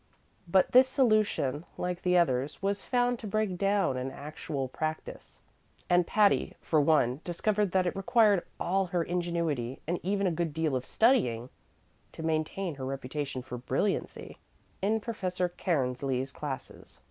But this solution, like the others, was found to break down in actual practice; and Patty, for one, discovered that it required all her ingenuity, and even a good deal of studying, to maintain her reputation for brilliancy in Professor Cairnsley's classes.